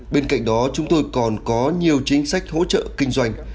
bên cạnh đó chúng tôi còn có nhiều chính sách hỗ trợ kinh doanh